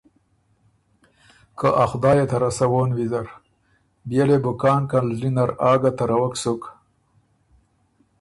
که ”ا خدایه ته رسَوون ویزر“ بيې لې بُو کان کان زلی نر آ ګه تَرَوَک سُک۔